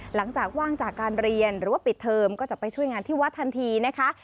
หลังจากว่างจากการเรียนหรือว่าปิดเทอมก็จะไปช่วยงานที่วัดทันทีนะคะ